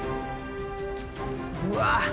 うわ！